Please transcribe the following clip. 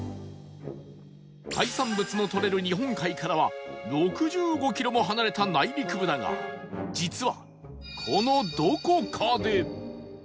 海産物のとれる日本海からは６５キロも離れた内陸部だが実は